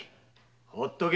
ほっとけ！